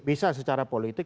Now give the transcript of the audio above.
bisa secara politik